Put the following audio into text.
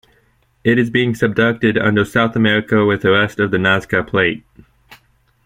It is being subducted under South America with the rest of the Nazca Plate.